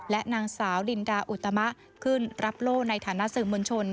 และนางสาวลินดาอุตมะขึ้นรับโล่ในฐานะสื่อมวลชน